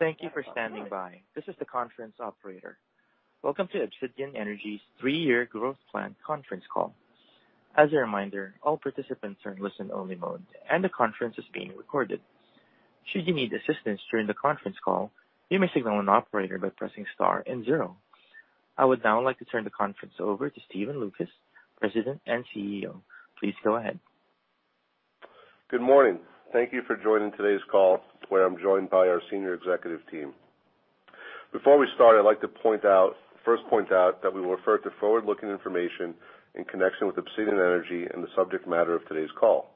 Thank you for standing by. This is the conference operator. Welcome to Obsidian Energy's three-year growth plan conference call. As a reminder, all participants are in listen-only mode, and the conference is being recorded. Should you need assistance during the conference call, you may signal an operator by pressing star and zero. I would now like to turn the conference over to Stephen Loukas, President and CEO. Please go ahead. Good morning. Thank you for joining today's call, where I'm joined by our senior executive team. Before we start, I'd like to point out that we will refer to forward-looking information in connection with Obsidian Energy and the subject matter of today's call.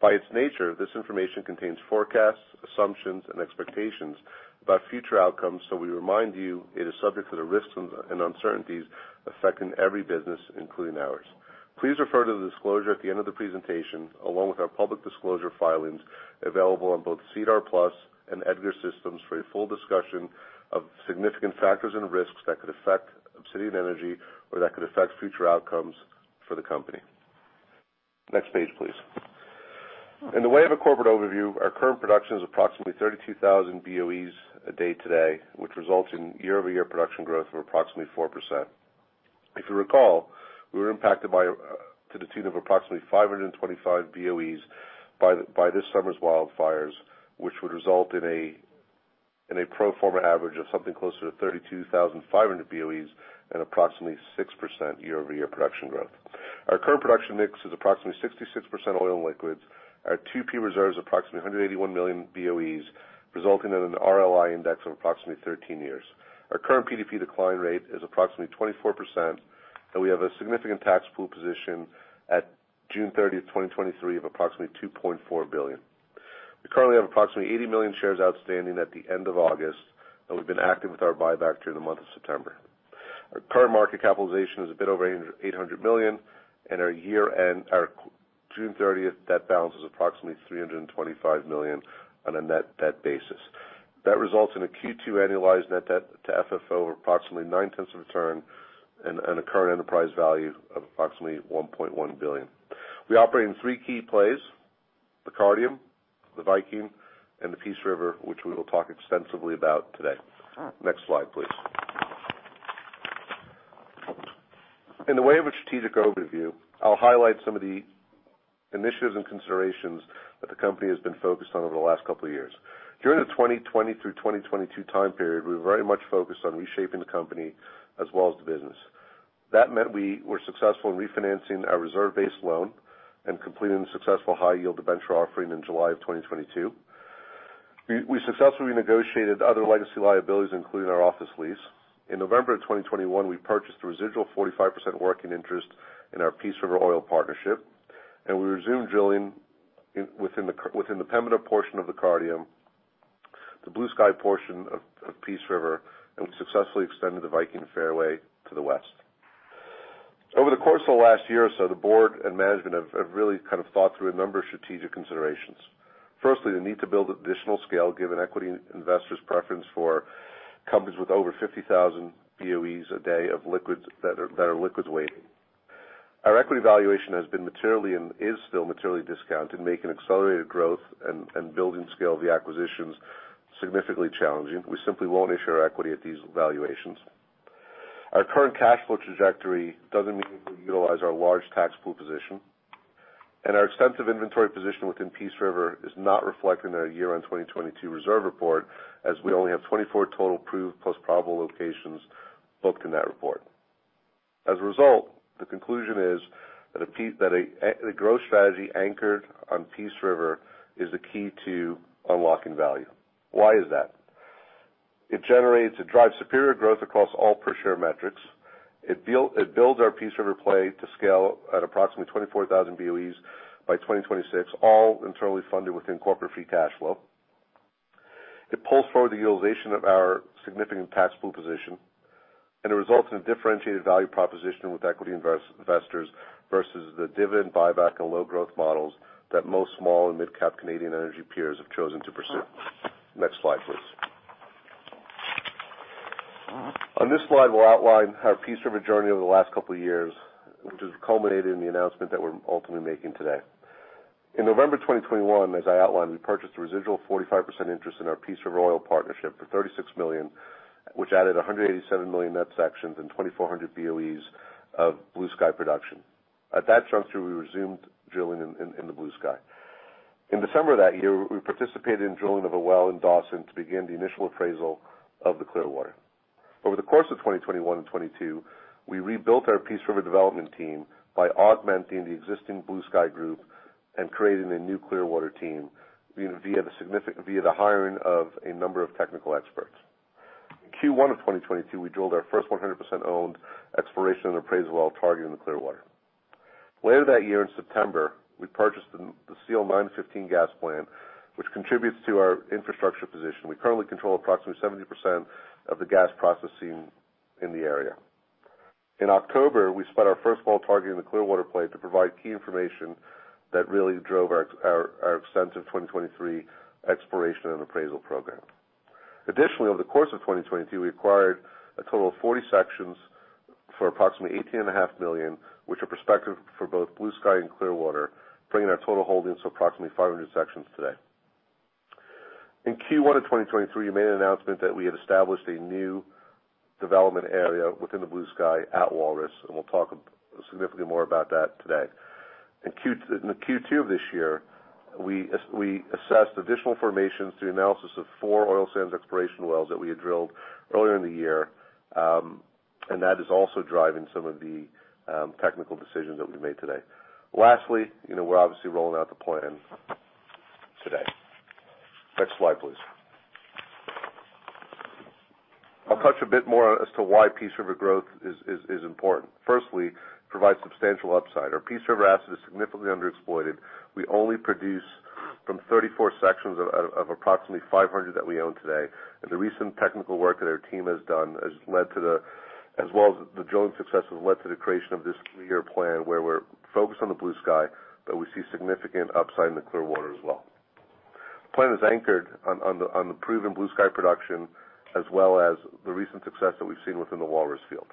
By its nature, this information contains forecasts, assumptions, and expectations about future outcomes, so we remind you it is subject to the risks and uncertainties affecting every business, including ours. Please refer to the disclosure at the end of the presentation, along with our public disclosure filings, available on both SEDAR+ and EDGAR systems, for a full discussion of significant factors and risks that could affect Obsidian Energy or that could affect future outcomes for the company. Next page, please. In the way of a corporate overview, our current production is approximately 32,000 BOEs a day today, which results in year-over-year production growth of approximately 4%. If you recall, we were impacted by, to the tune of approximately 525 BOEs by this summer's wildfires, which would result in a pro forma average of something closer to 32,500 BOEs and approximately 6% year-over-year production growth. Our current production mix is approximately 66% oil and liquids. Our 2P reserves, approximately 181 million BOEs, resulting in an RLI index of approximately 13 years. Our current PDP decline rate is approximately 24%, and we have a significant tax pool position at June 30, 2023, of approximately 2.4 billion. We currently have approximately 80 million shares outstanding at the end of August, and we've been active with our buyback during the month of September. Our current market capitalization is a bit over 800 million, and our year-end. Our June 30 debt balance was approximately 325 million on a net debt basis. That results in a Q2 annualized net debt to FFO of approximately 0.9 of a turn and, and a current enterprise value of approximately 1.1 billion. We operate in three key plays: the Cardium, the Viking, and the Peace River, which we will talk extensively about today. Next slide, please. In the way of a strategic overview, I'll highlight some of the initiatives and considerations that the company has been focused on over the last couple of years. During the 2020 through 2022 time period, we were very much focused on reshaping the company as well as the business. That meant we were successful in refinancing our reserve-based loan and completing the successful high-yield debenture offering in July of 2022. We successfully negotiated other legacy liabilities, including our office lease. In November of 2021, we purchased a residual 45% working interest in our Peace River Oil Partnership, and we resumed drilling in the Pemmican portion of the Cardium, the Bluesky portion of Peace River, and we successfully extended the Viking fairway to the west. Over the course of the last year or so, the board and management have really kind of thought through a number of strategic considerations. Firstly, the need to build additional scale, given equity investors' preference for companies with over 50,000 BOEs a day of liquids that are, that are liquids weighted. Our equity valuation has been materially and is still materially discounted, making accelerated growth and, and building scale of the acquisitions significantly challenging. We simply won't issue our equity at these valuations. Our current cash flow trajectory doesn't mean we utilize our large tax pool position, and our extensive inventory position within Peace River is not reflected in our year-end 2022 reserve report, as we only have 24 total proved plus probable locations booked in that report. As a result, the conclusion is that a growth strategy anchored on Peace River is the key to unlocking value. Why is that? It generates and drives superior growth across all per-share metrics. It builds our Peace River play to scale at approximately 24,000 BOEs by 2026, all internally funded within corporate free cash flow. It pulls forward the utilization of our significant tax pool position, and it results in a differentiated value proposition with equity investors versus the dividend buyback and low-growth models that most small and mid-cap Canadian energy peers have chosen to pursue. Next slide, please. On this slide, we'll outline our Peace River journey over the last couple of years, which has culminated in the announcement that we're ultimately making today. In November 2021, as I outlined, we purchased a residual 45% interest in our Peace River Oil Partnership for 36 million, which added 187 million net sections and 2,400 BOEs of Bluesky production. At that juncture, we resumed drilling in the Bluesky. In December of that year, we participated in drilling of a well in Dawson to begin the initial appraisal of the Clearwater. Over the course of 2021 and 2022, we rebuilt our Peace River development team by augmenting the existing Bluesky group and creating a new Clearwater team via the hiring of a number of technical experts. Q1 of 2022, we drilled our first 100% owned exploration and appraisal well targeting the Clearwater. Later that year, in September, we purchased the Seal 9-15 gas plant, which contributes to our infrastructure position. We currently control approximately 70% of the gas processing in the area. In October, we spent our first well targeting the Clearwater play to provide key information that really drove our, our, our extensive 2023 exploration and appraisal program. Additionally, over the course of 2022, we acquired a total of 40 sections for approximately 18.5 million, which are prospective for both Bluesky and Clearwater, bringing our total holdings to approximately 500 sections today. In Q1 of 2023, we made an announcement that we had established a new development area within the Bluesky at Walrus, and we'll talk significantly more about that today. In Q2 of this year, we assessed additional formations through the analysis of 4 oil sands exploration wells that we had drilled earlier in the year, and that is also driving some of the technical decisions that we made today. Lastly, you know, we're obviously rolling out the plan today. Next slide, please. I'll touch a bit more as to why Peace River growth is important. Firstly, provide substantial upside. Our Peace River asset is significantly underexploited. We only produce from 34 sections of approximately 500 that we own today, and the recent technical work that our team has done, as well as the drilling success, has led to the creation of this three-year plan, where we're focused on the Bluesky, but we see significant upside in the Clearwater as well. The plan is anchored on the proven Bluesky production, as well as the recent success that we've seen within the Walrus field.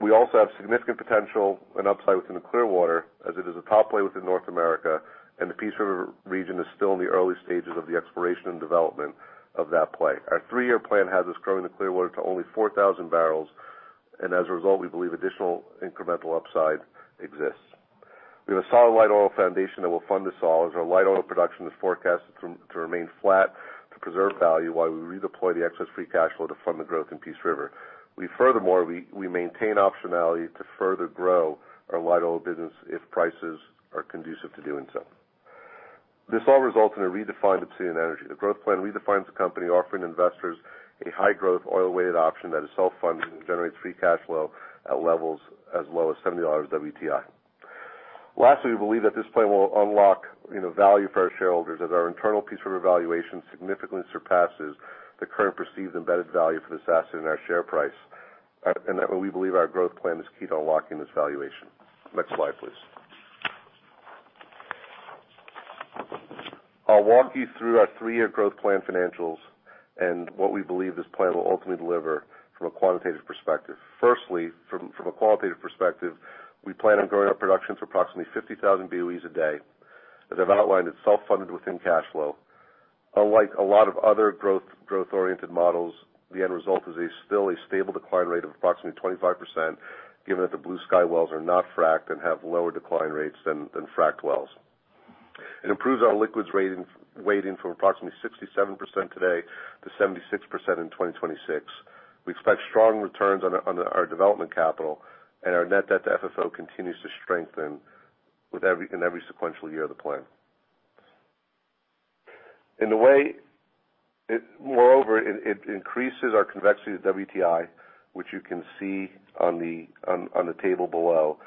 We also have significant potential and upside within the Clearwater, as it is a top play within North America, and the Peace River region is still in the early stages of the exploration and development of that play. Our three-year plan has us growing the Clearwater to only 4,000 barrels, and as a result, we believe additional incremental upside exists. We have a solid light oil foundation that will fund this all, as our light oil production is forecasted to remain flat, to preserve value while we redeploy the excess free cash flow to fund the growth in Peace River. We furthermore maintain optionality to further grow our light oil business if prices are conducive to doing so. This all results in a redefined Obsidian Energy. The growth plan redefines the company, offering investors a high-growth, oil-weighted option that is self-funded and generates free cash flow at levels as low as $70 WTI. Lastly, we believe that this play will unlock, you know, value for our shareholders, as our internal Peace River valuation significantly surpasses the current perceived embedded value for this asset in our share price. We believe our growth plan is key to unlocking this valuation. Next slide, please. I'll walk you through our three-year growth plan financials and what we believe this plan will ultimately deliver from a quantitative perspective. Firstly, from a qualitative perspective, we plan on growing our production to approximately 50,000 BOEs a day. As I've outlined, it's self-funded within cash flow. Unlike a lot of other growth-oriented models, the end result is still a stable decline rate of approximately 25%, given that the Bluesky wells are not fracked and have lower decline rates than fracked wells. It improves our liquids rating, weighting from approximately 67% today to 76% in 2026. We expect strong returns on our development capital, and our net debt to FFO continues to strengthen in every sequential year of the plan. Moreover, it increases our convexity to WTI, which you can see on the table below.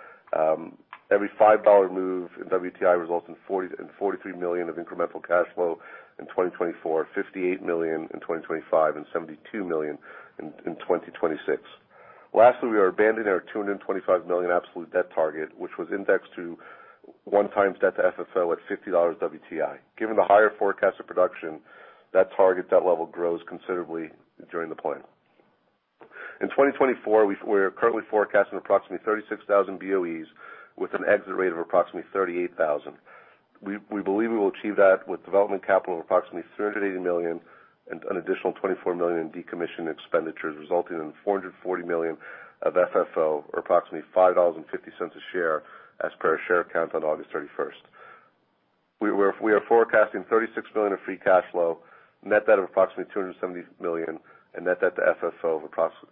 Every $5 move in WTI results in 43 million of incremental cash flow in 2024, 58 million in 2025, and 72 million in 2026. Lastly, we are abandoning our 225 million absolute debt target, which was indexed to 1x debt to FFO at $50 WTI. Given the higher forecasted production, that target debt level grows considerably during the plan. In 2024, we are currently forecasting approximately 36,000 BOEs with an exit rate of approximately 38,000. We believe we will achieve that with development capital of approximately 380 million and an additional 24 million in decommission expenditures, resulting in 440 million of FFO, or approximately 5.50 dollars a share, as per our share count on August 31. We are forecasting 36 million in free cash flow, net debt of approximately 270 million, and net debt to FFO of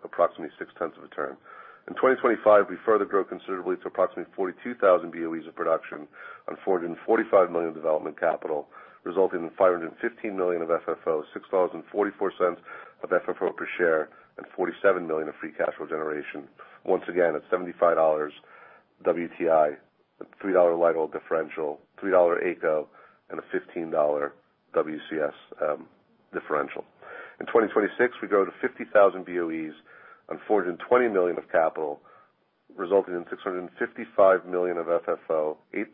approximately 0.6 of a turn. In 2025, we further grow considerably to approximately 42,000 BOEs of production on 445 million of development capital, resulting in 515 million of FFO, 6.44 of FFO per share, and 47 million of free cash flow generation. Once again, at $75 WTI, at $3 light oil differential, 3 dollar AECO, and a $15 WCS differential. In 2026, we grow to 50,000 BOEs on 420 million of capital, resulting in 655 million of FFO, 8.19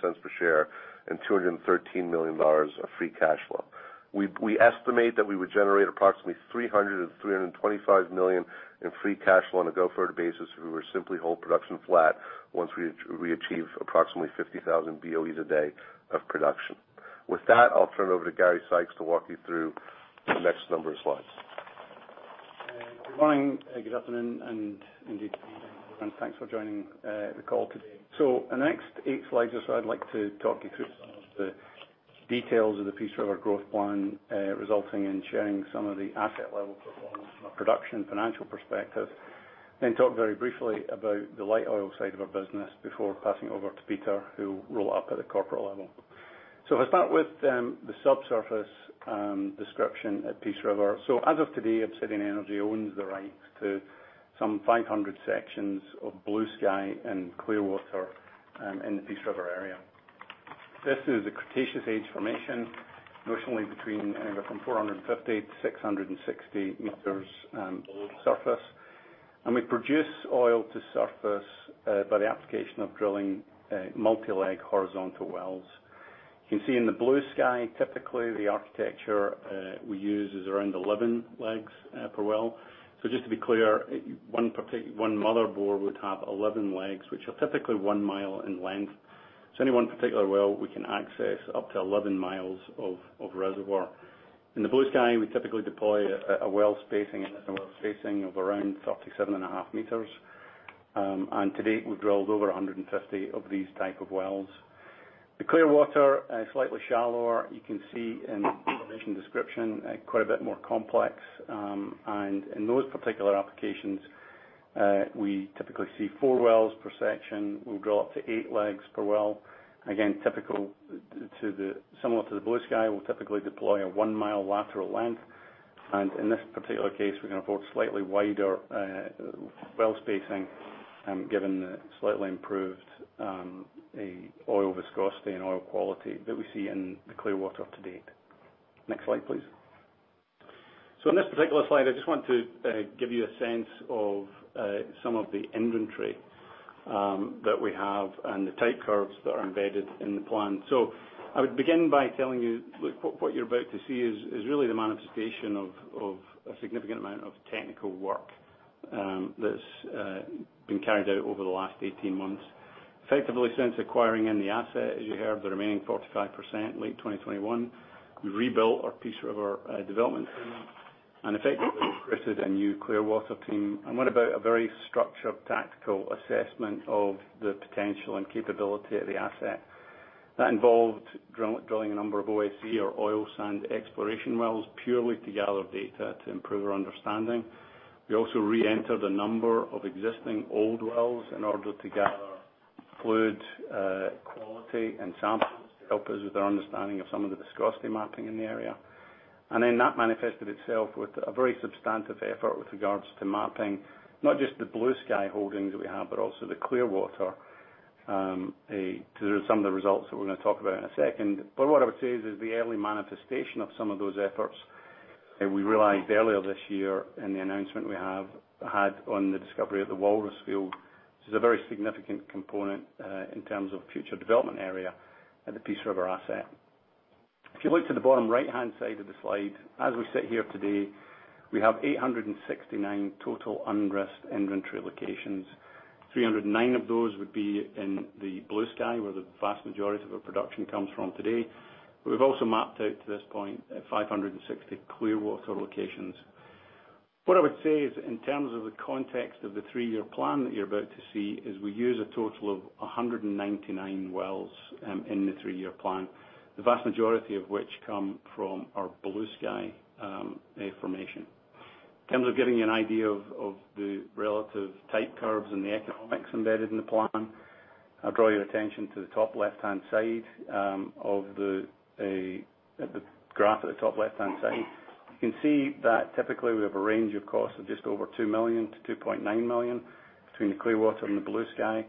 dollars per share, and 213 million dollars of free cash flow. We, we estimate that we would generate approximately 300 million and 325 million in free cash flow on a go-forward basis if we were to simply hold production flat once we, we achieve approximately 50,000 BOEs a day of production. With that, I'll turn it over to Gary Sykes to walk you through the next number of slides. Good morning, good afternoon, and indeed, thanks for joining the call today. So the next 8 slides or so, I'd like to talk you through some of the details of the Peace River growth plan, resulting in sharing some of the asset-level performance from a production, financial perspective. Then talk very briefly about the light oil side of our business before passing it over to Peter, who will roll up at the corporate level. So I'll start with the subsurface description at Peace River. So as of today, Obsidian Energy owns the rights to some 500 sections of Bluesky and Clearwater in the Peace River area. This is a Cretaceous-age formation, notionally between from 450 meters-660 meters below the surface. We produce oil to surface by the application of drilling multi-leg horizontal wells. You can see in the Bluesky, typically, the architecture we use is around 11 legs per well. Just to be clear, one particular motherbore would have 11 legs, which are typically 1 mi in length. Any one particular well, we can access up to 11 mi of reservoir. In the Bluesky, we typically deploy a well spacing, and a well spacing of around 37.5 m. To date, we've drilled over 150 of these type of wells. The Clearwater, slightly shallower, you can see in the formation description, quite a bit more complex. In those particular applications, we typically see 4 wells per section. We'll drill up to 8 legs per well. Again, similar to the Bluesky, we'll typically deploy a one-mile lateral length. In this particular case, we're going to afford slightly wider well spacing, given the slightly improved oil viscosity and oil quality that we see in the Clearwater to date. Next slide, please. In this particular slide, I just want to give you a sense of some of the inventory that we have and the type curves that are embedded in the plan. I would begin by telling you, look, what you're about to see is really the manifestation of a significant amount of technical work that's been carried out over the last 18 months. Effectively, since acquiring in the asset, as you heard, the remaining 45%, late 2021, we rebuilt our Peace River development, and effectively recruited a new Clearwater team and went about a very structured tactical assessment of the potential and capability of the asset. That involved drilling a number of OSE or oil sand exploration wells, purely to gather data to improve our understanding. We also reentered a number of existing old wells in order to gather fluid quality and samples to help us with our understanding of some of the viscosity mapping in the area. And then, that manifested itself with a very substantive effort with regards to mapping, not just the Bluesky holdings that we have, but also the Clearwater to some of the results that we're gonna talk about in a second. But what I would say is, is the early manifestation of some of those efforts, and we realized earlier this year in the announcement we have had on the discovery of the Walrus field, which is a very significant component in terms of future development area at the Peace River asset. If you look to the bottom right-hand side of the slide, as we sit here today, we have 869 total unrisked inventory locations. Three hundred and nine of those would be in the Bluesky, where the vast majority of our production comes from today. We've also mapped out, to this point, 560 Clearwater locations. What I would say is, in terms of the context of the three-year plan that you're about to see, is we use a total of 199 wells in the three-year plan, the vast majority of which come from our Bluesky formation. In terms of giving you an idea of the relative type curves and the economics embedded in the plan, I'll draw your attention to the top left-hand side of the graph at the top left-hand side. You can see that typically, we have a range of costs of just over 2 million-2.9 million between the Clearwater and the Bluesky,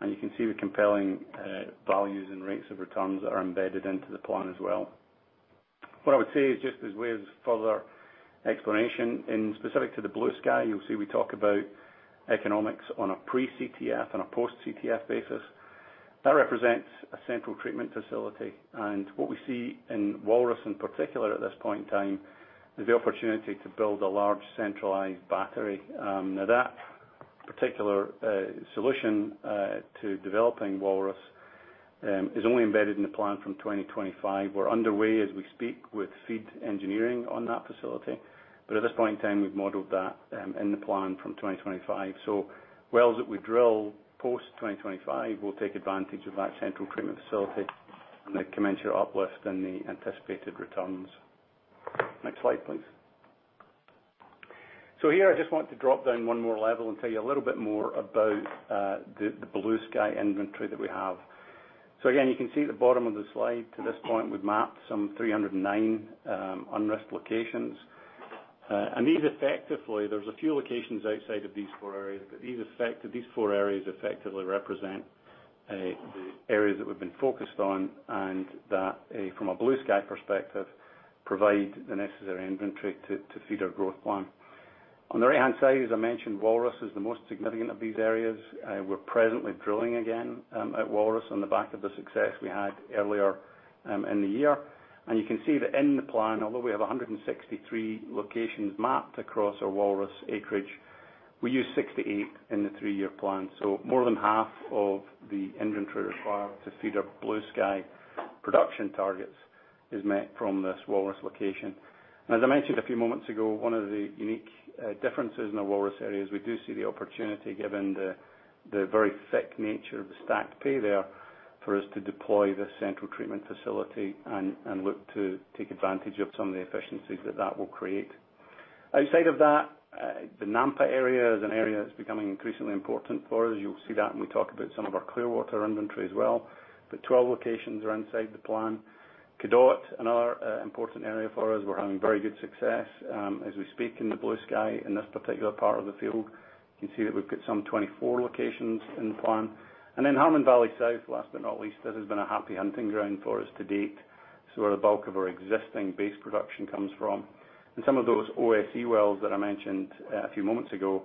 and you can see the compelling values and rates of returns that are embedded into the plan as well. What I would say is, just as way as further explanation, in specific to the Bluesky, you'll see we talk about economics on a pre-CTF and a post-CTF basis. That represents a central treatment facility, and what we see in Walrus, in particular, at this point in time, is the opportunity to build a large centralized battery. Now that particular solution to developing Walrus is only embedded in the plan from 2025. We're underway, as we speak, with FEED engineering on that facility, but at this point in time, we've modeled that in the plan from 2025. So wells that we drill post 2025 will take advantage of that central treatment facility and it commenced your uplift and the anticipated returns. Next slide, please. So here, I just want to drop down one more level and tell you a little bit more about the Bluesky inventory that we have. So again, you can see at the bottom of the slide, to this point, we've mapped some 309 unrisked locations. And these effectively, there's a few locations outside of these four areas, but these four areas effectively represent the areas that we've been focused on, and that, from a Bluesky perspective, provide the necessary inventory to feed our growth plan. On the right-hand side, as I mentioned, Walrus is the most significant of these areas. We're presently drilling again at Walrus on the back of the success we had earlier in the year. You can see that in the plan, although we have 163 locations mapped across our Walrus acreage, we use 68 in the three-year plan. So more than half of the inventory required to feed our Bluesky production targets is met from this Walrus location. And as I mentioned a few moments ago, one of the unique differences in the Walrus area is we do see the opportunity, given the very thick nature of the stacked pay there, for us to deploy the central treatment facility and look to take advantage of some of the efficiencies that that will create. Outside of that, the Nampa area is an area that's becoming increasingly important for us. You'll see that when we talk about some of our Clearwater inventory as well, but 12 locations are inside the plan. Cadotte, another important area for us, we're having very good success as we speak in the Bluesky, in this particular part of the field. You can see that we've got some 24 locations in the plan. And then Harmon Valley South, last but not least, this has been a happy hunting ground for us to date. So where the bulk of our existing base production comes from. And some of those OSE wells that I mentioned a few moments ago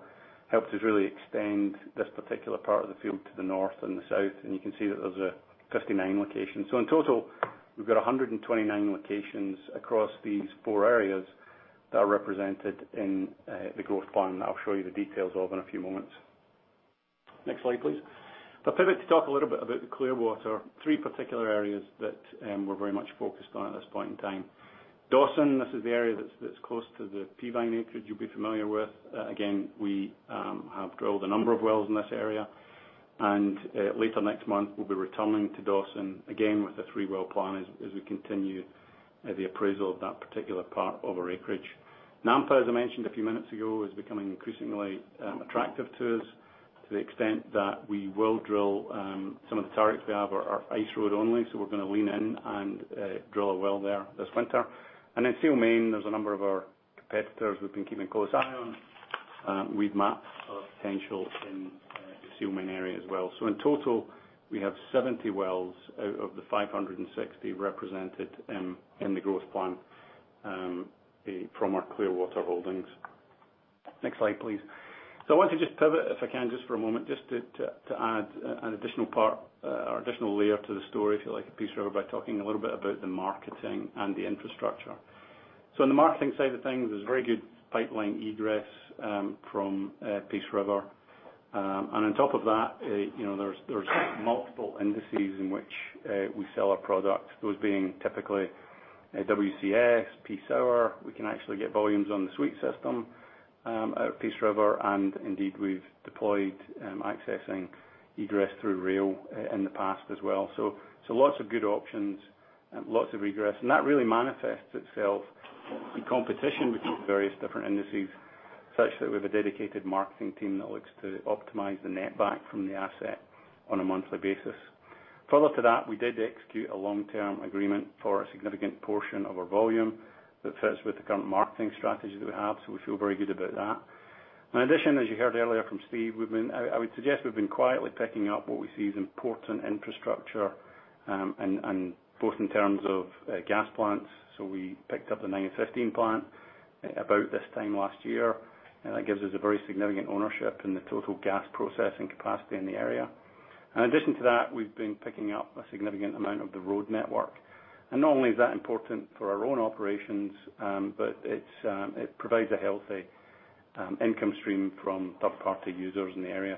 helped us really extend this particular part of the field to the north and the south, and you can see that there's 59 locations. So in total, we've got 129 locations across these four areas that are represented in the growth plan, that I'll show you the details of in a few moments. Next slide, please. I'll pivot to talk a little bit about the Clearwater. Three particular areas that we're very much focused on at this point in time. Dawson, this is the area that's close to the Peavine acreage you'll be familiar with. Again, we have drilled a number of wells in this area, and later next month, we'll be returning to Dawson again with a three-well plan as we continue the appraisal of that particular part of our acreage. Nampa, as I mentioned a few minutes ago, is becoming increasingly attractive to us, to the extent that we will drill some of the targets we have are ice road only, so we're gonna lean in and drill a well there this winter. And in Seal Main, there's a number of our competitors we've been keeping a close eye on. We've mapped our potential in the Seal Main area as well. In total, we have 70 wells out of the 560 represented in the growth plan from our Clearwater holdings. Next slide, please. I want to just pivot, if I can, just for a moment, just to add an additional part, or additional layer to the story, if you like, Peace River, by talking a little bit about the marketing and the infrastructure. On the marketing side of things, there's very good pipeline egress from Peace River. On top of that, you know, there's multiple indices in which we sell our product, those being typically WCS, Peace Sour. We can actually get volumes on the suite system at Peace River, and indeed, we've deployed accessing egress through rail in the past as well. So lots of good options and lots of egress. That really manifests itself in competition with these various different indices, such that we have a dedicated marketing team that looks to optimize the netback from the asset on a monthly basis. Further to that, we did execute a long-term agreement for a significant portion of our volume that fits with the current marketing strategy that we have, so we feel very good about that. In addition, as you heard earlier from Steve, we've been—I would suggest we've been quietly picking up what we see as important infrastructure, and both in terms of gas plants, we picked up the 9-15 plant about this time last year, and that gives us a very significant ownership in the total gas processing capacity in the area. In addition to that, we've been picking up a significant amount of the road network. Not only is that important for our own operations, it provides a healthy income stream from third-party users in the area.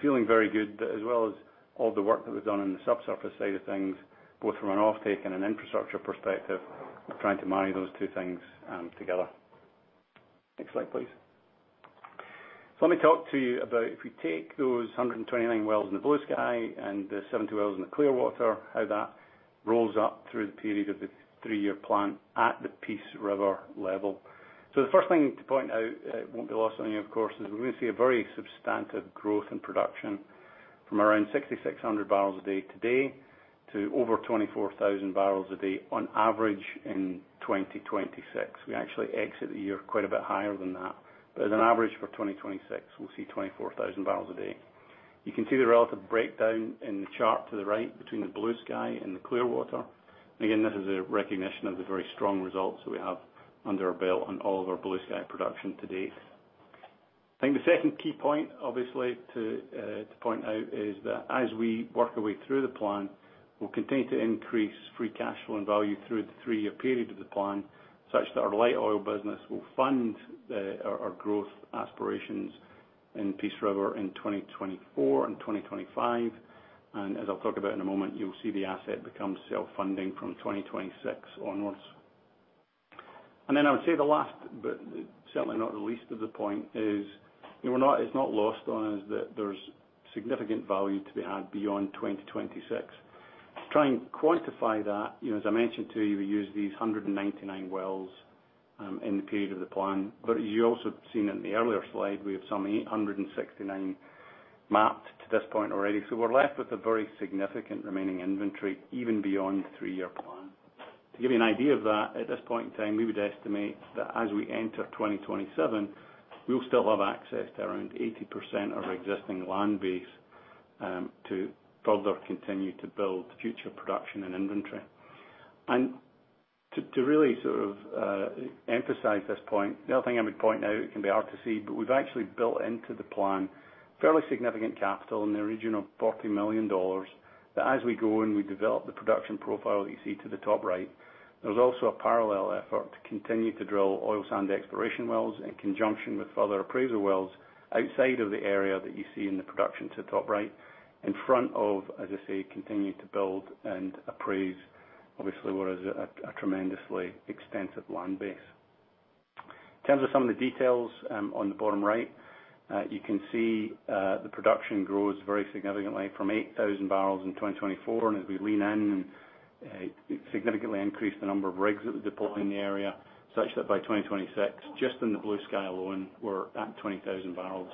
Feeling very good, as well as all the work that was done on the subsurface side of things, both from an offtake and an infrastructure perspective, we're trying to marry those two things together. Next slide, please. So let me talk to you about if we take those 129 wells in the Bluesky and the 70 wells in the Clearwater, how that rolls up through the period of the three-year plan at the Peace River level. So the first thing to point out, it won't be lost on you, of course, is we're gonna see a very substantive growth in production from around 6,600 barrels a day today to over 24,000 barrels a day on average in 2026. We actually exit the year quite a bit higher than that. But as an average for 2026, we'll see 24,000 barrels a day. You can see the relative breakdown in the chart to the right between the Bluesky and the Clearwater. Again, this is a recognition of the very strong results that we have under our belt on all of our Bluesky production to date. I think the second key point, obviously, to point out, is that as we work our way through the plan, we'll continue to increase free cash flow and value through the 3-year period of the plan, such that our light oil business will fund our growth aspirations in Peace River in 2024 and 2025. As I'll talk about in a moment, you'll see the asset become self-funding from 2026 onwards. I would say the last, but certainly not the least of the point, is it's not lost on us that there's significant value to be had beyond 2026. To try and quantify that, you know, as I mentioned to you, we use these 199 wells in the period of the plan, but you also have seen in the earlier slide, we have some 869 mapped to this point already. So we're left with a very significant remaining inventory, even beyond the three-year plan. To give you an idea of that, at this point in time, we would estimate that as we enter 2027, we'll still have access to around 80% of our existing land base to further continue to build future production and inventory. To really sort of emphasize this point, the other thing I would point out, it can be hard to see, but we've actually built into the plan fairly significant capital in the region of 40 million dollars, that as we go and we develop the production profile that you see to the top right, there's also a parallel effort to continue to drill oil sand exploration wells in conjunction with further appraisal wells outside of the area that you see in the production to the top right, in front of, as I say, continue to build and appraise, obviously, what is a tremendously extensive land base. In terms of some of the details, on the bottom right, you can see, the production grows very significantly from 8,000 barrels in 2024, and as we lean in and, significantly increase the number of rigs that we deploy in the area, such that by 2026, just in the Bluesky alone, we're at 20,000 barrels.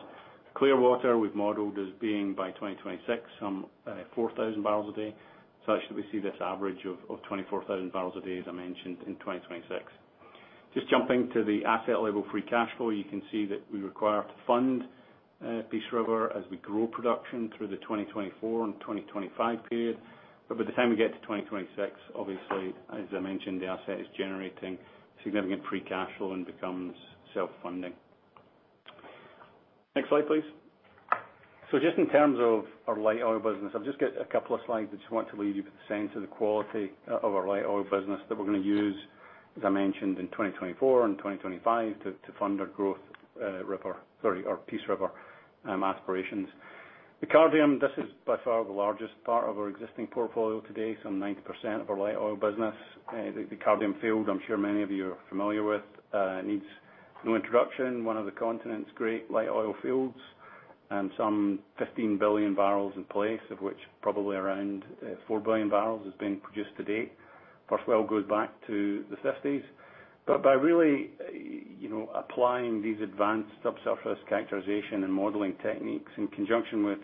Clearwater, we've modeled as being by 2026, some, 4,000 barrels a day. So actually, we see this average of, of 24,000 barrels a day, as I mentioned, in 2026. Just jumping to the asset level free cash flow, you can see that we require to fund, Peace River as we grow production through the 2024 and 2025 period. But by the time we get to 2026, obviously, as I mentioned, the asset is generating significant free cash flow and becomes self-funding. Next slide, please. So just in terms of our light oil business, I've just got a couple of slides that just want to leave you with a sense of the quality of our light oil business that we're going to use, as I mentioned, in 2024 and 2025, to fund our growth, River, sorry, our Peace River aspirations. The Cardium, this is by far the largest part of our existing portfolio today, some 90% of our light oil business. The Cardium field, I'm sure many of you are familiar with, needs no introduction. One of the continent's great light oil fields, and some 15 billion barrels in place, of which probably around, 4 billion barrels has been produced to date. First well goes back to the 1950s. But by really, you know, applying these advanced subsurface characterization and modeling techniques in conjunction with,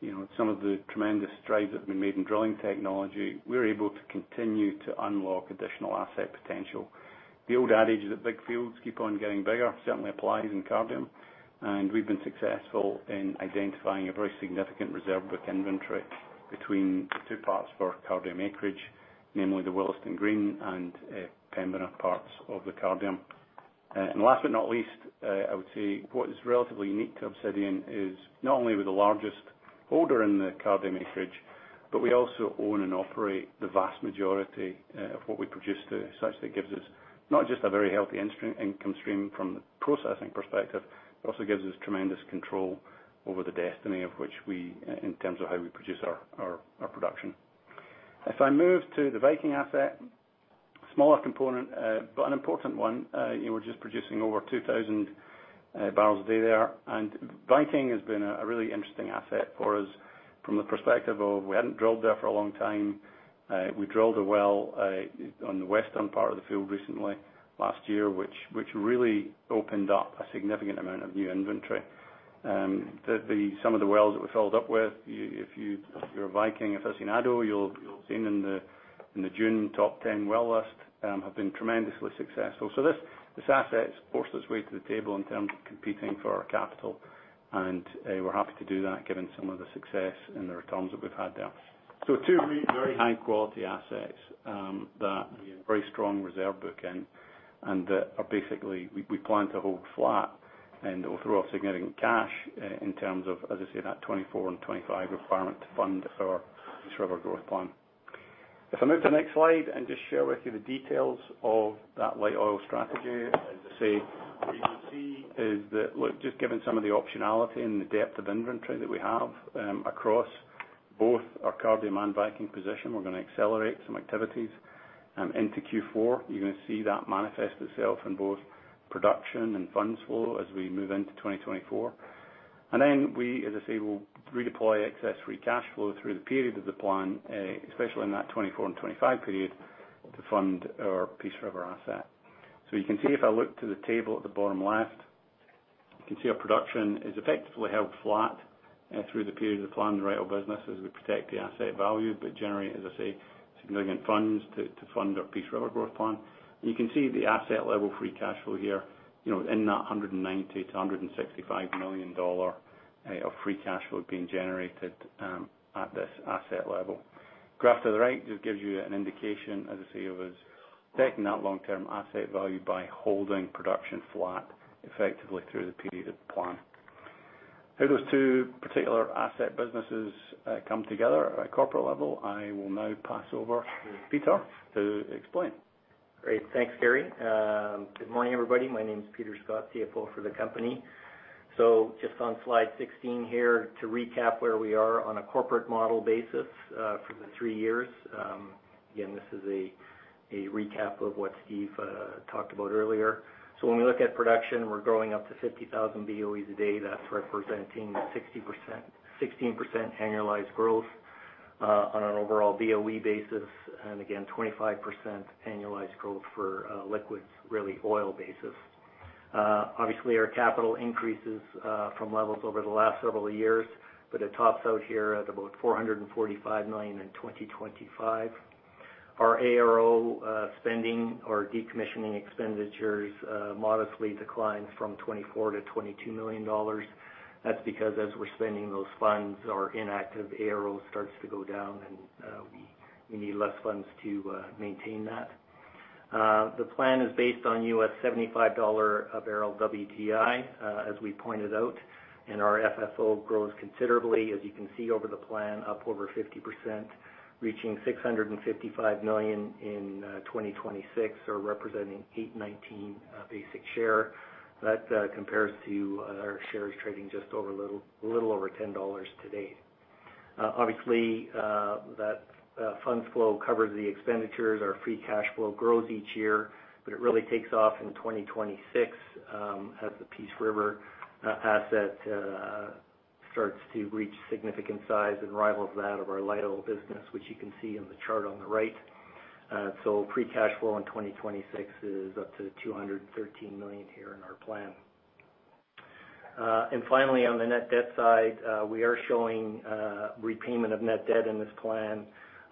you know, some of the tremendous strides that have been made in drilling technology, we're able to continue to unlock additional asset potential. The old adage is that big fields keep on getting bigger, certainly applies in Cardium, and we've been successful in identifying a very significant reserve book inventory between the two parts for Cardium acreage, namely the Willesden Green and, Pembina parts of the Cardium. And last but not least, I would say what is relatively unique to Obsidian is not only are we the largest holder in the Cardium acreage, but we also own and operate the vast majority of what we produce there. Such that it gives us not just a very healthy income stream from the processing perspective, but also gives us tremendous control over the destiny of which we, in terms of how we produce our production. If I move to the Viking asset, smaller component, but an important one. We're just producing over 2,000 barrels a day there. And Viking has been a really interesting asset for us from the perspective of we hadn't drilled there for a long time. We drilled a well on the western part of the field recently, last year, which really opened up a significant amount of new inventory. The... Some of the wells that we followed up with, you- if you, if you're a Viking, if I've seen AECO, you'll have seen in the June top ten well list, have been tremendously successful. This asset has forced its way to the table in terms of competing for our capital, and we're happy to do that given some of the success and the returns that we've had there. So two really very high-quality assets, that we have very strong reserve book in, and that are basically, we, we plan to hold flat and will throw off significant cash, in terms of, as I say, that 2024 and 2025 requirement to fund our Peace River growth plan. If I move to the next slide and just share with you the details of that light oil strategy, as I say, what you can see is that, look, just given some of the optionality and the depth of inventory that we have, across both our Cardium and Viking position, we're gonna accelerate some activities, into Q4. You're gonna see that manifest itself in both production and funds flow as we move into 2024. And then we, as I say, will redeploy excess free cash flow through the period of the plan, especially in that 2024 and 2025 period, to fund our Peace River asset. So you can see if I look to the table at the bottom left, you can see our production is effectively held flat, through the period of the plan, the right of business, as we protect the asset value, but generate, as I say, significant funds to fund our Peace River growth plan. You can see the asset level free cash flow here, you know, in that 190 million-165 million dollar of free cash flow being generated, at this asset level. Graph to the right just gives you an indication, as I say, of us taking that long-term asset value by holding production flat effectively through the period of the plan. How those two particular asset businesses come together at a corporate level, I will now pass over to Peter to explain. Great. Thanks, Gary. Good morning, everybody. My name is Peter Scott, CFO for the company. So just on slide 16 here, to recap where we are on a corporate model basis, for the three years. Again, this is a recap of what Steve talked about earlier. So when we look at production, we're growing up to 50,000 BOE a day. That's representing 60%... 16% annualized growth, on an overall BOE basis, and again, 25% annualized growth for, liquids, really oil basis. Obviously, our capital increases, from levels over the last several years, but it tops out here at about 445 million in 2025. Our ARO, spending or decommissioning expenditures, modestly decline from 24 million to 22 million dollars. That's because as we're spending those funds, our inactive ARO starts to go down, and we need less funds to maintain that. The plan is based on $75 a barrel WTI, as we pointed out, and our FFO grows considerably, as you can see over the plan, up over 50%, reaching 655 million in 2026, or representing $8.19 basic share. That compares to our shares trading just over a little, little over $10 today. Obviously, that funds flow covers the expenditures. Our free cash flow grows each year, but it really takes off in 2026, as the Peace River asset starts to reach significant size and rivals that of our light oil business, which you can see in the chart on the right. Free cash flow in 2026 is up to 213 million here in our plan. Finally, on the net debt side, we are showing repayment of net debt in this plan.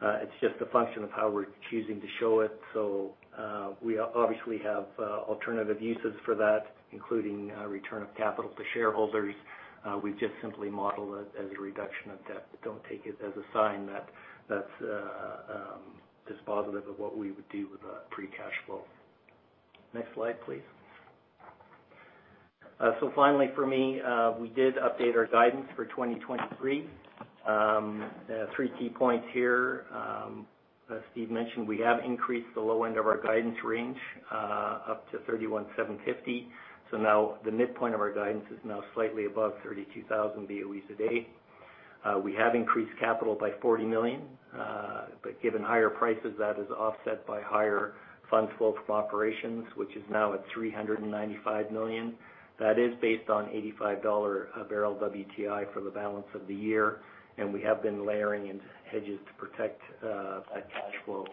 It's just a function of how we're choosing to show it. We obviously have alternative uses for that, including return of capital to shareholders. We just simply model it as a reduction of debt. Don't take it as a sign that that's dispositive of what we would do with pre-cash flow. Next slide, please. Finally, for me, we did update our guidance for 2023. Three key points here. As Steve mentioned, we have increased the low end of our guidance range up to 31,750. So now the midpoint of our guidance is now slightly above 32,000 BOEs a day. We have increased capital by 40 million, but given higher prices, that is offset by higher fund flow from operations, which is now at 395 million. That is based on $85 a barrel WTI for the balance of the year, and we have been layering in hedges to protect that cash flow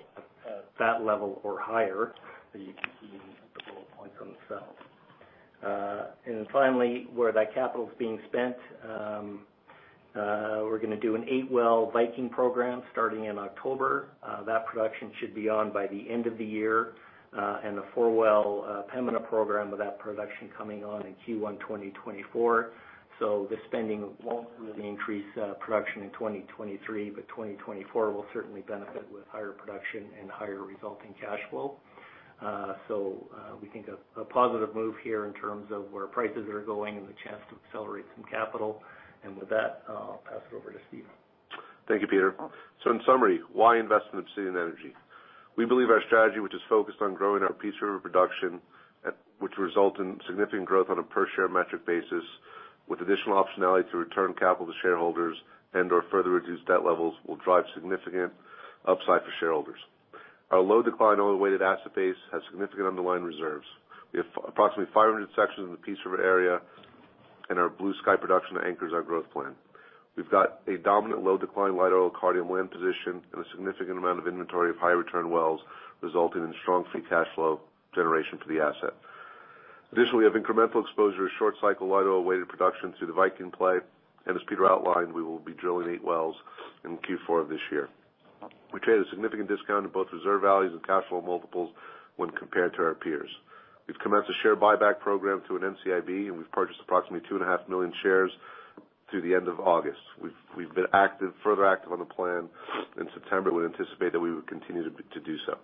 at that level or higher, but you can see the bullet points themselves. And then finally, where that capital is being spent, we're gonna do an 8-well Viking program starting in October. That production should be on by the end of the year, and a 4-well Pembina program, with that production coming on in Q1 2024. So the spending won't really increase production in 2023, but 2024 will certainly benefit with higher production and higher resulting cash flow. So, we think a positive move here in terms of where prices are going and the chance to accelerate some capital. And with that, I'll pass it over to Steve. Thank you, Peter. In summary, why invest in Obsidian Energy? We believe our strategy, which is focused on growing our Peace River production, which results in significant growth on a per-share metric basis, with additional optionality to return capital to shareholders and/or further reduce debt levels, will drive significant upside for shareholders. Our low-decline oil-weighted asset base has significant underlying reserves. We have approximately 500 sections in the Peace River area, and our Bluesky production anchors our growth plan. We've got a dominant low-decline, light oil Cardium land position and a significant amount of inventory of high-return wells, resulting in strong free cash flow generation for the asset. Additionally, we have incremental exposure to short-cycle, light oil-weighted production through the Viking play, and as Peter outlined, we will be drilling eight wells in Q4 of this year. We trade at a significant discount in both reserve values and cash flow multiples when compared to our peers. We've commenced a share buyback program through an NCIB, and we've purchased approximately 2.5 million shares through the end of August. We've been further active on the plan. In September, we anticipate that we would continue to do so.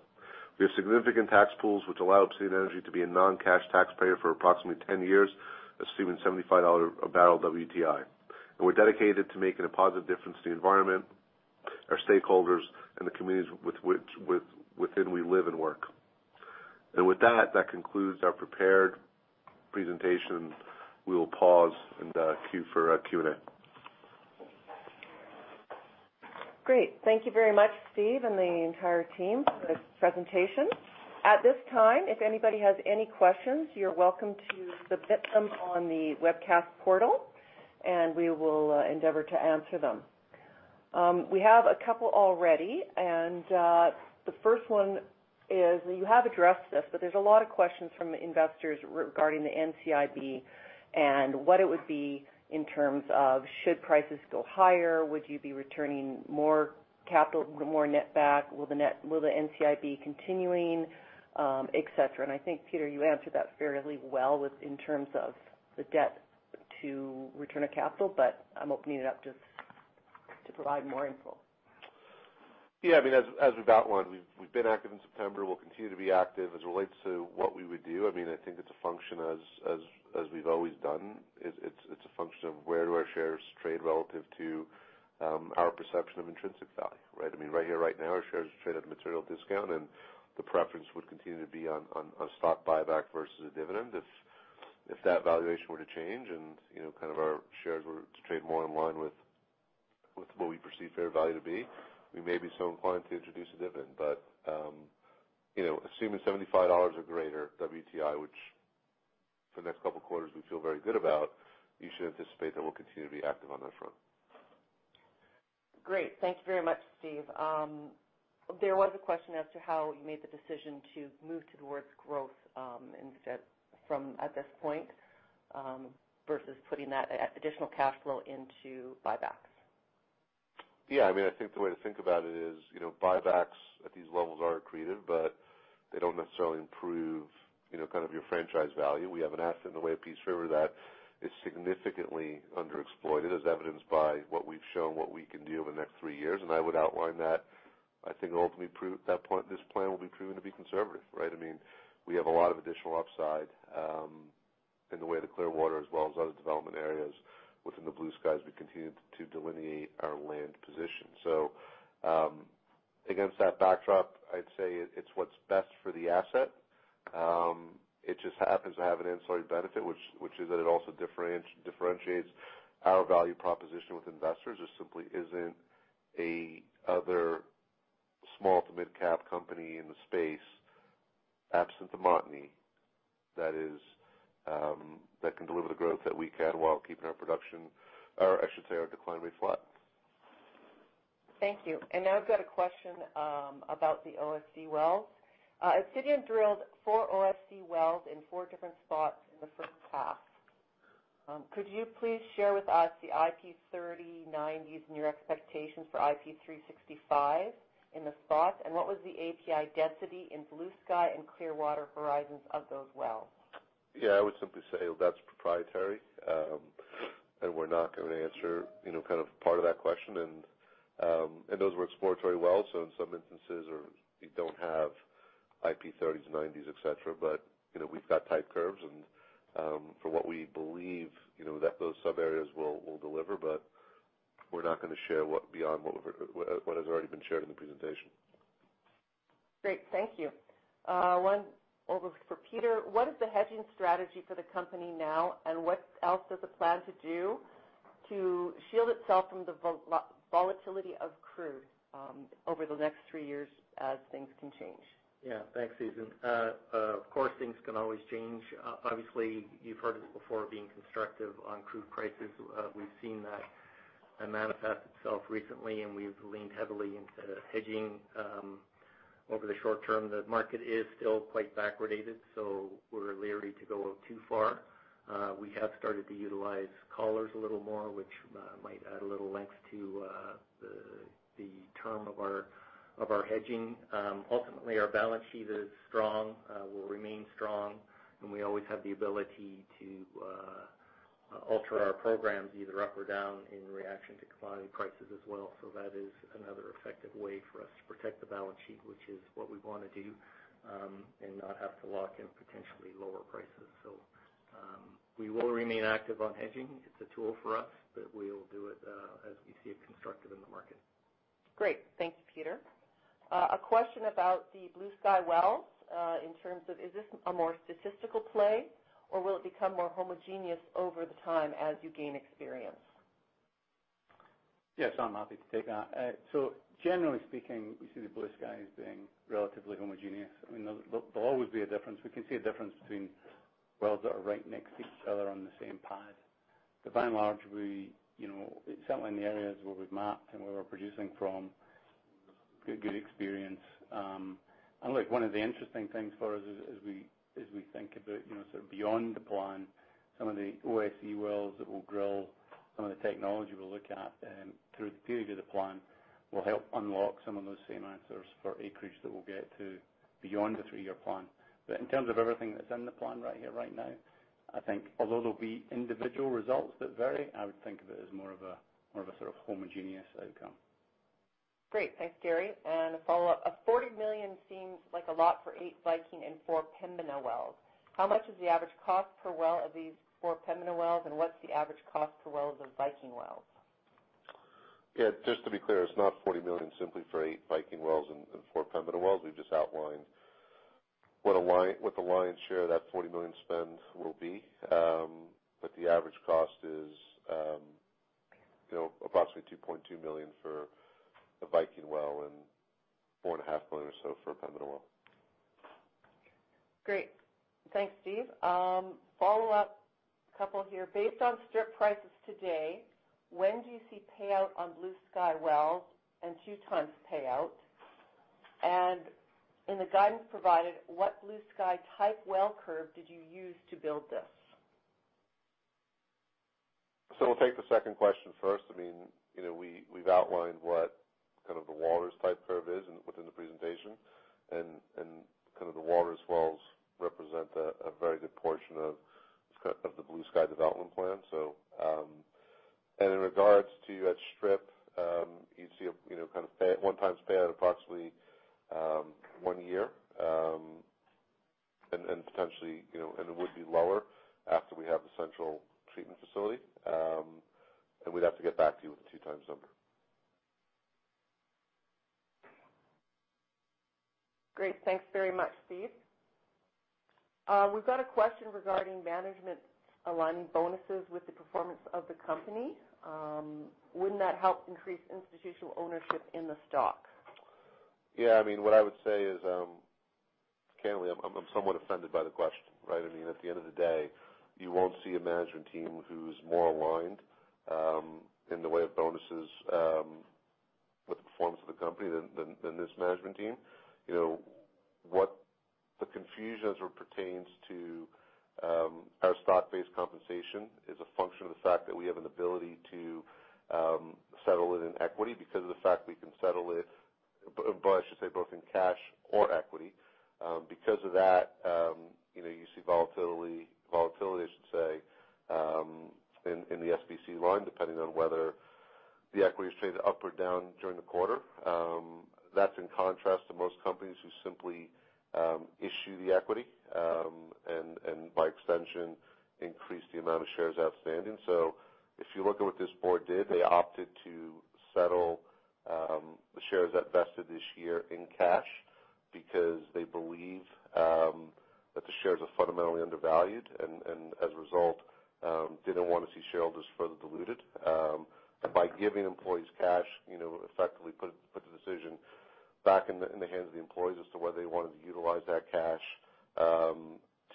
We have significant tax pools, which allow Obsidian Energy to be a non-cash taxpayer for approximately 10 years, assuming $75 a barrel WTI. We're dedicated to making a positive difference to the environment, our stakeholders, and the communities within which we live and work. That concludes our prepared presentation. We will pause and queue for Q&A. Great. Thank you very much, Steve and the entire team, for this presentation. At this time, if anybody has any questions, you're welcome to submit them on the webcast portal, and we will endeavor to answer them. We have a couple already, and the first one is... You have addressed this, but there's a lot of questions from investors regarding the NCIB and what it would be in terms of, should prices go higher, would you be returning more capital, more net back? Will the NCIB be continuing, et cetera? And I think, Peter, you answered that fairly well with, in terms of the debt to return of capital, but I'm opening it up just to provide more info. Yeah, I mean, as we've outlined, we've been active in September. We'll continue to be active. As it relates to what we would do, I mean, I think it's a function as we've always done. It's a function of where do our shares trade relative to our perception of intrinsic value, right? I mean, right here, right now, our shares are traded at a material discount, and the preference would continue to be on stock buyback versus a dividend. If that valuation were to change and, you know, kind of our shares were to trade more in line with what we perceive fair value to be, we may be so inclined to introduce a dividend. But, you know, assuming $75 or greater WTI, which for the next couple of quarters we feel very good about, you should anticipate that we'll continue to be active on that front. Great. Thank you very much, Steve. There was a question as to how you made the decision to move towards growth, instead, from at this point, versus putting that additional cash flow into buybacks. Yeah, I mean, I think the way to think about it is, you know, buybacks at these levels are accretive, but they don't necessarily improve, you know, kind of your franchise value. We have an asset in the way of Peace River that is significantly underexploited, as evidenced by what we've shown, what we can do over the next three years. And I would outline that, I think, ultimately prove-- at that point, this plan will be proven to be conservative, right? I mean, we have a lot of additional upside, in the way of the Clearwater, as well as other development areas within the Bluesky. We continue to delineate our land position. So, against that backdrop, I'd say it- it's what's best for the asset. It just happens to have an ancillary benefit, which is that it also differentiates our value proposition with investors. There simply isn't another small to mid-cap company in the space, absent the Montney, that is, that can deliver the growth that we can while keeping our production, or I should say, our decline rate flat. Thank you. I have a question about the OSE wells. Obsidian drilled 4 OSE wells in 4 different spots in the first half. Could you please share with us the IP30s, IP90s, and your expectations for IP365 in the spots? What was the API density in Bluesky and Clearwater horizons of those wells? Yeah, I would simply say that's proprietary. And we're not gonna answer, you know, kind of part of that question. And those were exploratory wells, so in some instances you don't have IP30s, IP90s, et cetera. But, you know, we've got type curves and for what we believe, you know, that those sub areas will, will deliver, but we're not gonna share what beyond what has already been shared in the presentation. Great, thank you. One also for Peter. What is the hedging strategy for the company now, and what else does it plan to do to shield itself from the volatility of crude over the next three years, as things can change? Yeah, thanks, Susan. Of course, things can always change. Obviously, you've heard us before being constructive on crude prices. We've seen that manifest itself recently, and we've leaned heavily into hedging. Over the short term, the market is still quite backwardated, so we're leery to go out too far. We have started to utilize collars a little more, which might add a little length to the term of our hedging. Ultimately, our balance sheet is strong, will remain strong, and we always have the ability to alter our programs either up or down in reaction to commodity prices as well. So that is another effective way for us to protect the balance sheet, which is what we want to do, and not have to lock in potentially lower prices. We will remain active on hedging. It's a tool for us, but we'll do it, as we see it constructive in the market. Great. Thanks, Peter. A question about the Bluesky wells, in terms of, is this a more statistical play, or will it become more homogeneous over the time as you gain experience? Yes, I'm happy to take that. So generally speaking, we see the Bluesky being relatively homogeneous. I mean, there'll always be a difference. We can see a difference between wells that are right next to each other on the same pad. But by and large, we, you know, certainly in the areas where we've mapped and where we're producing from, good experience. And look, one of the interesting things for us as we think about, you know, sort of beyond the plan, some of the OSE wells that we'll drill, some of the technology we'll look at, through the period of the plan, will help unlock some of those same answers for acreage that we'll get to beyond the three-year plan. But in terms of everything that's in the plan right here, right now, I think although there'll be individual results that vary, I would think of it as more of a, more of a sort of homogeneous outcome. Great. Thanks, Gary. And a follow-up. 40 million seems like a lot for 8 Viking and 4 Pembina wells. How much is the average cost per well of these 4 Pembina wells, and what's the average cost per wells of Viking wells? Yeah, just to be clear, it's not 40 million simply for eight Viking wells and four Pembina wells. We've just outlined what the lion's share of that 40 million spend will be. But the average cost is, you know, approximately 2.2 million for a Viking well and 4.5 million or so for a Pembina well. Great. Thanks, Steve. Follow up, a couple here. Based on strip prices today, when do you see payout on Bluesky wells and two times payout? And in the guidance provided, what Bluesky type well curve did you use to build this? I'll take the second question first. I mean, you know, we've outlined what kind of the Walrus type curve is within the presentation, and kind of the Walrus wells represent a very good portion of the Bluesky development plan. So, you know, in regards to at strip, you'd see a, you know, kind of one times payout approximately, one year. And then, potentially, you know, it would be lower after we have the central treatment facility. We'd have to get back to you with the two times number. Great. Thanks very much, Steve. We've got a question regarding management aligning bonuses with the performance of the company. Wouldn't that help increase institutional ownership in the stock? Yeah, I mean, what I would say is, candidly, I'm somewhat offended by the question, right? I mean, at the end of the day, you won't see a management team who's more aligned in the way of bonuses with the performance of the company than this management team. You know, what the confusion as it pertains to our stock-based compensation is a function of the fact that we have an ability to settle it in equity because of the fact we can settle it, but I should say both in cash or equity. Because of that, you know, you see volatility, I should say, in the SBC line, depending on whether the equity is traded up or down during the quarter. That's in contrast to most companies who simply issue the equity and, by extension, increase the amount of shares outstanding. So if you look at what this board did, they opted to settle the shares that vested this year in cash because they believe that the shares are fundamentally undervalued, and as a result, didn't want to see shareholders further diluted. And by giving employees cash, you know, effectively put back in the hands of the employees as to whether they wanted to utilize that cash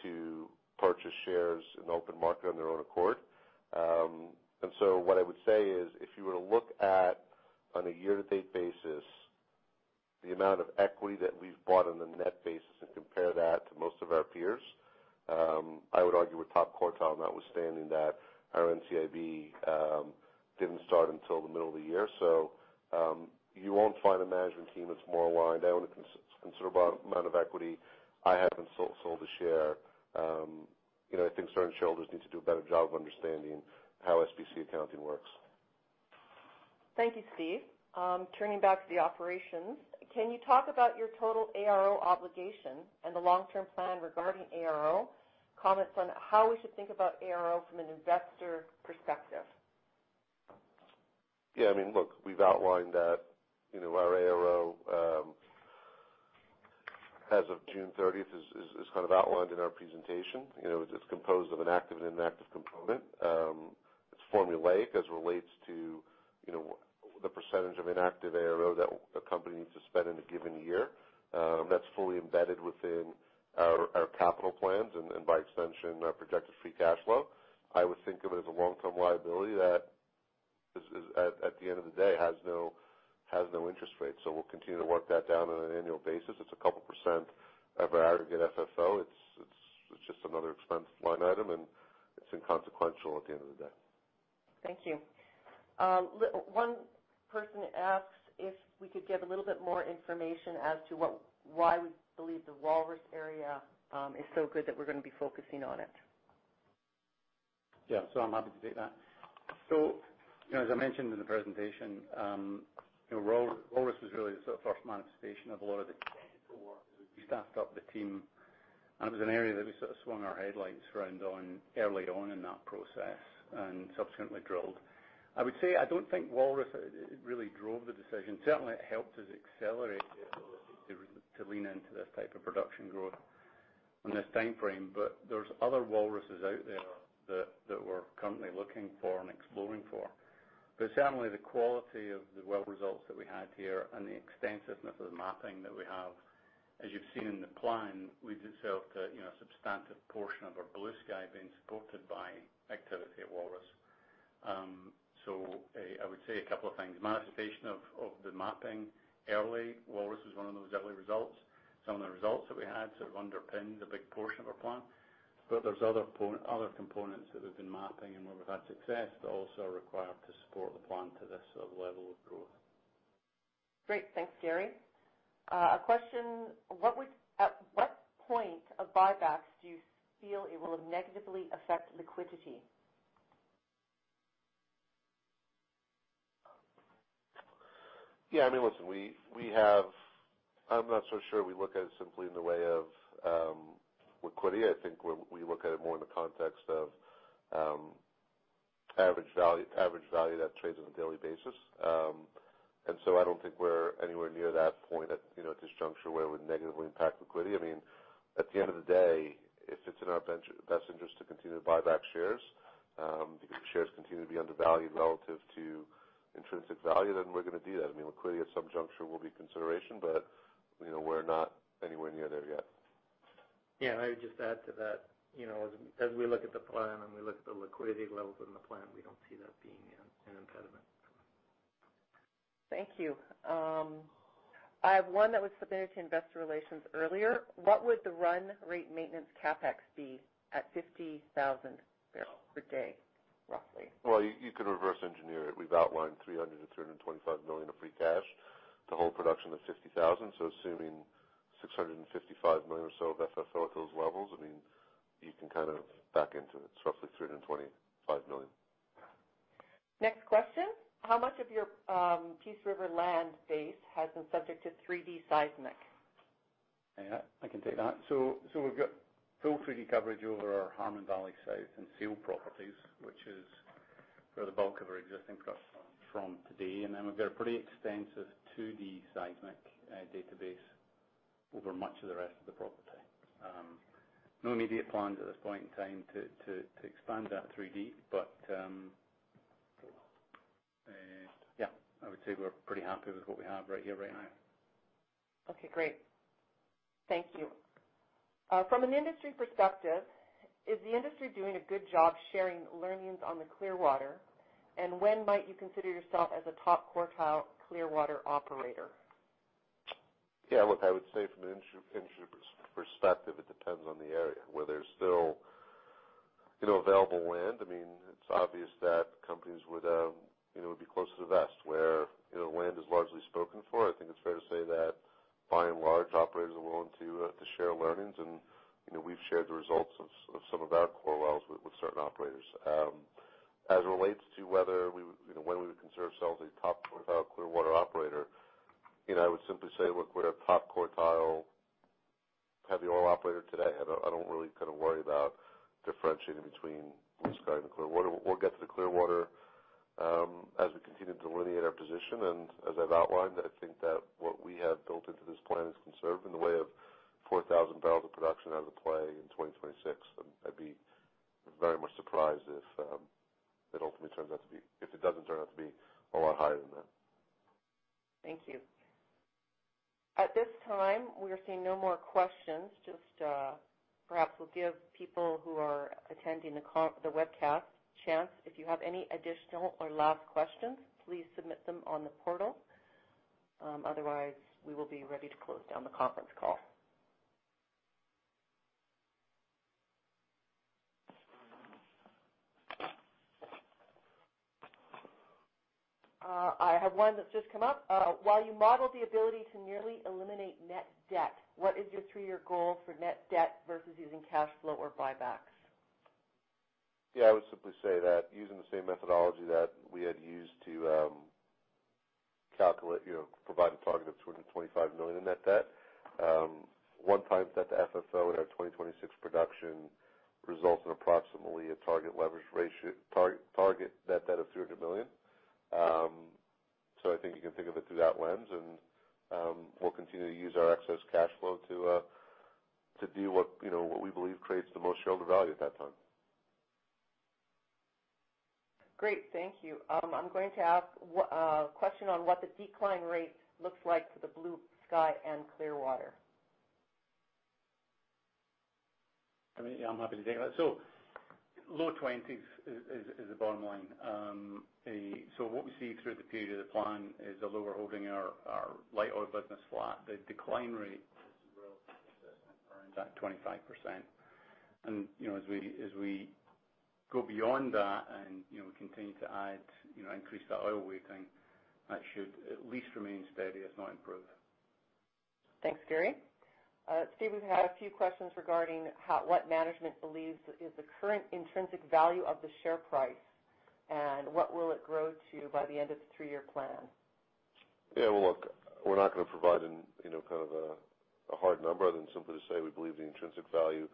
to purchase shares in the open market on their own accord. And so what I would say is, if you were to look at, on a year-to-date basis, the amount of equity that we've bought on a net basis and compare that to most of our peers, I would argue we're top quartile, notwithstanding that our NCIB didn't start until the middle of the year. So, you won't find a management team that's more aligned. I own a considerable amount of equity. I haven't sold a share. You know, I think certain shareholders need to do a better job of understanding how SBC accounting works. Thank you, Steve. Turning back to the operations, can you talk about your total ARO obligation and the long-term plan regarding ARO? Comment on how we should think about ARO from an investor perspective. Yeah, I mean, look, we've outlined that, you know, our ARO, as of June 30, is kind of outlined in our presentation. You know, it's composed of an active and inactive component. It's formulaic as it relates to, you know, the percentage of inactive ARO that a company needs to spend in a given year. That's fully embedded within our capital plans, and, and by extension, our projected free cash flow. I would think of it as a long-term liability that is, at the end of the day, has no interest rate. We'll continue to work that down on an annual basis. It's a couple percent of our aggregate FFO. It's just another expense line item, and it's inconsequential at the end of the day. Thank you. One person asked if we could give a little bit more information as to what... why we believe the Walrus area is so good that we're gonna be focusing on it. Yeah, I'm happy to take that. You know, as I mentioned in the presentation, you know, Walrus was really the sort of first manifestation of a lot of the technical work. We staffed up the team, and it was an area that we sort of swung our headlights around on early on in that process and subsequently drilled. I would say, I don't think Walrus really drove the decision. Certainly, it helped us accelerate it, to lean into this type of production growth on this time frame. There's other Walruses out there that we're currently looking for and exploring for. But certainly, the quality of the well results that we had here and the extensiveness of the mapping that we have, as you've seen in the plan, leads itself to, you know, a substantive portion of our Bluesky being supported by activity at Walrus. So, I would say a couple of things. Manifestation of the mapping early, Walrus was one of those early results. Some of the results that we had sort of underpinned a big portion of our plan, but there's other components that we've been mapping and where we've had success that also are required to support the plan to this sort of level of growth. Great. Thanks, Gary. A question: At what point of buybacks do you feel it will have negatively affect liquidity? Yeah, I mean, listen, we have... I'm not so sure we look at it simply in the way of liquidity. I think we look at it more in the context of average value, average value that trades on a daily basis. And so I don't think we're anywhere near that point at, you know, at this juncture where it would negatively impact liquidity. I mean, at the end of the day, if it's in our best interest to continue to buy back shares because the shares continue to be undervalued relative to intrinsic value, then we're gonna do that. I mean, liquidity at some juncture will be a consideration, but, you know, we're not anywhere near there yet. Yeah, I would just add to that, you know, as we look at the plan and we look at the liquidity levels in the plan, we don't see that being an impediment. Thank you. I have one that was submitted to investor relations earlier. What would the run rate maintenance CapEx be at 50,000 barrels per day, roughly? Well, you could reverse engineer it. We've outlined 300 million-325 million of free cash to hold production at 50,000. So assuming 655 million or so of FFO at those levels, I mean, you can kind of back into it. It's roughly 325 million. Next question: How much of your, Peace River land base has been subject to 3D seismic? Yeah, I can take that. So, so we've got full 3D coverage over our Harmon Valley South and Seal properties, which is where the bulk of our existing production from today, and then we've got a pretty extensive 2D seismic database over much of the rest of the property. No immediate plans at this point in time to expand that 3D, but yeah, I would say we're pretty happy with what we have right here, right now. Okay, great. Thank you. From an industry perspective, is the industry doing a good job sharing learnings on the Clearwater? And when might you consider yourself as a top quartile Clearwater operator? Yeah, look, I would say from an industry perspective, it depends on the area. Where there's still, you know, available land, I mean, it's obvious that companies would, you know, would be closer to best. Where, you know, land is largely spoken for, I think it's fair to say that, by and large, operators are willing to to share learnings, and, you know, we've shared the results of of some of our core wells with, with certain operators. As it relates to whether we would, you know, whether we would consider ourselves a top quartile Clearwater operator, you know, I would simply say, look, we're a top quartile heavy oil operator today. I don't, I don't really kind of worry about differentiating between Bluesky and Clearwater. We'll get to the Clearwater as we continue to delineate our position, and as I've outlined, I think that what we have built into this plan is conservative in the way of 4,000 barrels of production out of the play in 2026, and I'd be very much surprised if it ultimately turns out to be—if it doesn't turn out to be a lot higher than that. Thank you. At this time, we are seeing no more questions. Just, perhaps we'll give people who are attending the webcast a chance. If you have any additional or last questions, please submit them on the portal. Otherwise, we will be ready to close down the conference call. I have one that's just come up. While you model the ability to nearly eliminate net debt, what is your three-year goal for net debt versus using cash flow or buybacks? Yeah, I would simply say that using the same methodology that we had used to, calculate, you know, provide a target of 225 million in net debt, 1x that to FFO in our 2026 production results in approximately a target leverage ratio, target, target net debt of 300 million. So I think you can think of it through that lens, and, we'll continue to use our excess cash flow to, to do what, you know, what we believe creates the most shareholder value at that time. Great, thank you. I'm going to ask what question on what the decline rate looks like for the Bluesky and Clearwater. I mean, yeah, I'm happy to take that. So low 20s is the bottom line. So what we see through the period of the plan is, although we're holding our light oil business flat, the decline rate is relatively consistent around that 25%. And, you know, as we go beyond that and, you know, continue to add, you know, increase the oil weighting, that should at least remain steady, if not improve. Thanks, Gary. Steve, we've had a few questions regarding what management believes is the current intrinsic value of the share price, and what will it grow to by the end of the three-year plan? Yeah, well, look, we're not gonna provide, you know, kind of a hard number other than simply to say we believe the intrinsic value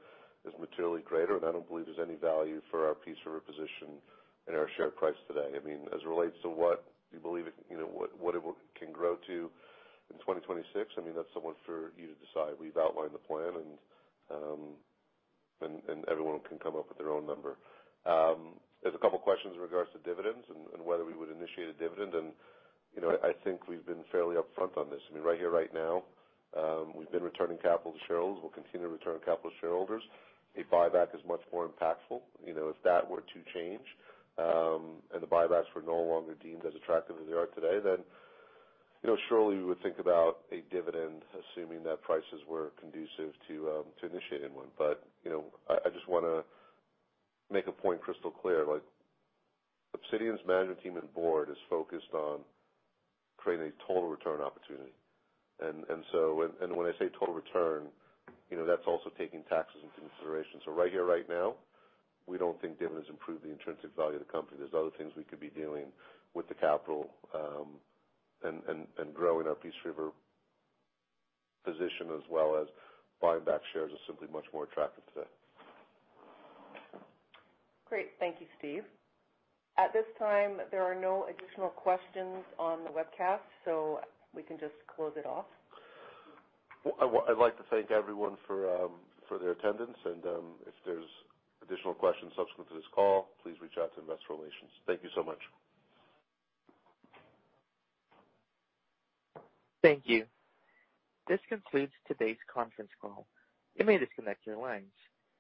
is materially greater, and I don't believe there's any value for our Peace River position in our share price today. I mean, as it relates to what you believe it, you know, what it will—can grow to in 2026, I mean, that's the one for you to decide. We've outlined the plan, and, you know, everyone can come up with their own number. There's a couple questions in regards to dividends and whether we would initiate a dividend. You know, I think we've been fairly upfront on this. I mean, right here, right now, we've been returning capital to shareholders. We'll continue to return capital to shareholders. A buyback is much more impactful. You know, if that were to change, and the buybacks were no longer deemed as attractive as they are today, then, you know, surely we would think about a dividend, assuming that prices were conducive to, to initiating one. But, you know, I just wanna make a point crystal clear, like Obsidian's management team and board is focused on creating a total return opportunity. And when I say total return, you know, that's also taking taxes into consideration. So right here, right now, we don't think dividends improve the intrinsic value of the company. There's other things we could be doing with the capital, and growing our Peace River position, as well as buying back shares, is simply much more attractive today. Great. Thank you, Steve. At this time, there are no additional questions on the webcast, so we can just close it off. Well, I'd like to thank everyone for their attendance, and if there's additional questions subsequent to this call, please reach out to Investor Relations. Thank you so much. Thank you. This concludes today's conference call. You may disconnect your lines.